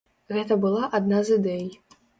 Гэта была адна з ідэй.